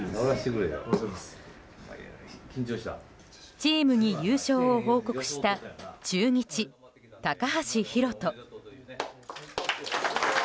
チームに優勝を報告した中日、高橋宏斗。